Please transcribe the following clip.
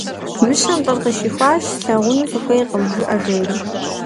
Мыщэм лӏыр къыщихуащ: - «Слъагъуну сыхуейкъым» жыӏэ, - жери.